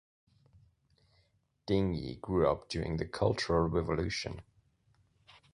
Ding Yi grew up during the Cultural Revolution.